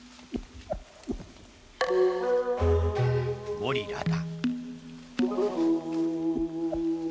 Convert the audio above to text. ゴリラだ。